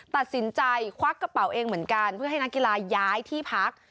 ตัดสินใจควักกระเป๋าเองเหมือนกันเพื่อให้นักกีฬาย้ายที่พัก